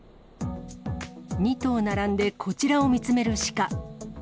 ２頭並んでこちらを見つめるシカ。